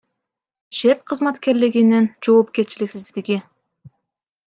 ЖЭБ кызматкерлеринин жоопкерчиликсиздиги.